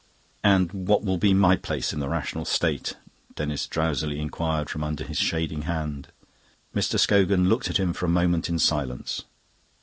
"And what will be my place in the Rational State?" Denis drowsily inquired from under his shading hand. Mr. Scogan looked at him for a moment in silence.